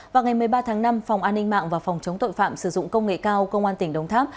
vào ngày một mươi ba tháng năm phòng an ninh mạng và phòng chống tội phạm sử dụng công nghệ cao công an tỉnh đồng tháp